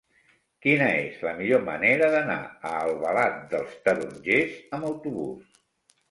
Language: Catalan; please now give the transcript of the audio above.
Quina és la millor manera d'anar a Albalat dels Tarongers amb autobús?